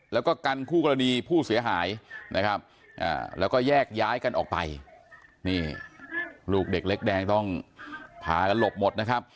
แล้วก็กันคู่กรณีผู้เสียหายนะครับแล้วก็แยกย้ายกันออกไปนี่ลูกเด็กเล็กแดงต้องพากันหลบหมดนะครับ